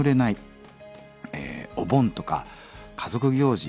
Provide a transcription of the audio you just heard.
お盆とか家族行事